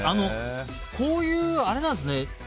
こういう、あれなんですね